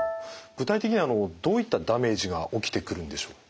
具体的にはどういったダメージが起きてくるんでしょう？